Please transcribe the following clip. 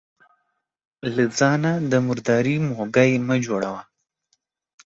له ځانه د مرداري موږى مه جوړوه.